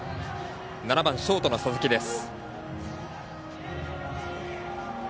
７番、ショートの佐々木です。